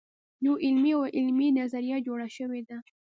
یوه علمي او عملي نظریه جوړه شوې ده.